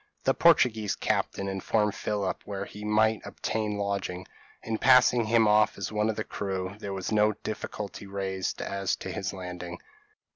The Portuguese captain informed Philip where he might obtain lodging; and passing him off as one of his crew, there was no difficulty raised as to his landing.